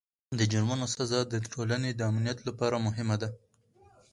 د جرمونو سزا د ټولنې د امنیت لپاره مهمه ده.